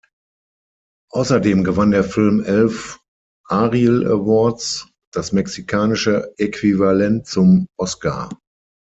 Außerdem gewann der Film elf Ariel Awards, das mexikanische Äquivalent zum Oscar.